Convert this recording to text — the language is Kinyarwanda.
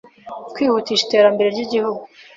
kwihutisha iteramberere ry’Igihugu;